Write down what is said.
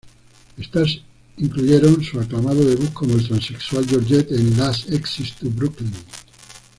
Estas incluyeron su aclamado debut como la transexual Georgette en "Last Exit to Brooklyn".